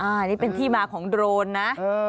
อันนี้เป็นที่มาของโดรนนะ